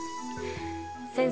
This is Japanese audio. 先生